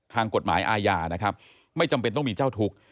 ทางกฎหมายอาญานะครับไม่จำเป็นต้องมีเจ้าทุกข์